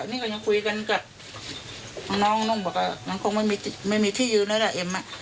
นี่ก็ยังคุยกันกับน้องน้องบอกอ่ะมันคงไม่มีที่ไม่มีที่ยืนเลยล่ะเอ็มอ่ะ